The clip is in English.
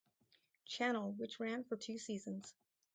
Channel which ran for two seasons.